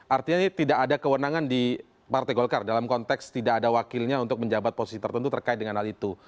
artinya ini tidak ada kewenangan di partai golkar dalam konteks tidak ada wakilnya untuk menjabat posisi tertentu terkait dengan hal itu